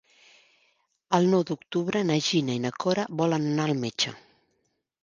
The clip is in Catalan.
El nou d'octubre na Gina i na Cora volen anar al metge.